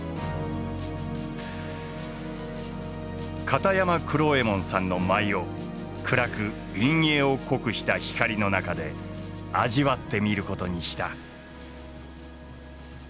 片山九郎右衛門さんの舞を暗く陰影を濃くした光の中で味わってみることにした。